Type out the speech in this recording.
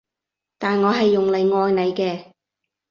但我係用嚟愛你嘅